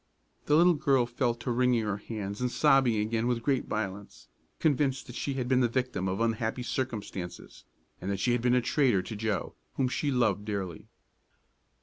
The little girl fell to wringing her hands and sobbing again with great violence, convinced that she had been the victim of unhappy circumstances, and that she had been a traitor to Joe, whom she loved dearly.